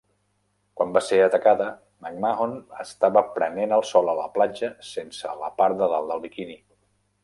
Quan va ser atacada, McMahon estava prenent el sol a la platja sense la part de dalt del biquini.